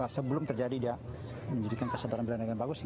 sebelum terjadi dia menjadikan kesadaran bela negara bagus